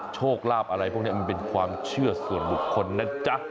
โชคลาภอะไรพวกนี้มันเป็นความเชื่อส่วนบุคคลนะจ๊ะ